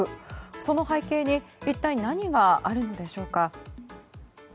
その背景に一体何があるのでしょうか。